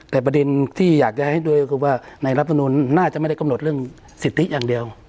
แต่ประเด็นที่อยากจะให้ด้วยก็คือว่าในรัฐมนุนน่าจะไม่ได้กำหนดเรื่องสิทธิอย่างเดียว